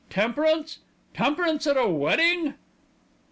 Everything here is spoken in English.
"Temperance! temperance at a wedding!"